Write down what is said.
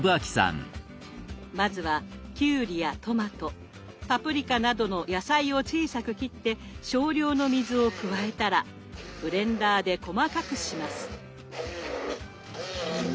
まずはきゅうりやトマトパプリカなどの野菜を小さく切って少量の水を加えたらブレンダーで細かくします。